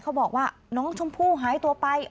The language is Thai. บอกว่าน้องชมพู่หายตัวไป